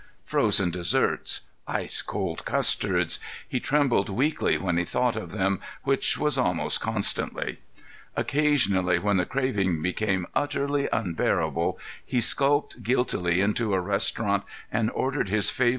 Frozen desserts—ice cold custards! He trembled weakly when he thought of them, which was almost constantly. Occasionally, when the craving became utterly unbearable, he skulked guiltily into a restaurant and ordered his favorite dish, corn starch pudding.